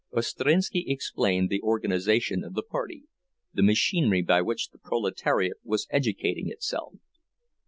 Ostrinski explained the organization of the party, the machinery by which the proletariat was educating itself.